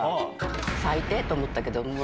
最低と思ったけど、もう。